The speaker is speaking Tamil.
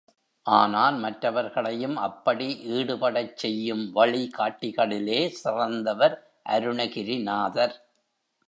ஆனால் மற்றவர்களையும் அப்படி ஈடுபடச் செய்யும் வழிகாட்டிகளிலே சிறந்தவர் அருணகிரிநாதர்.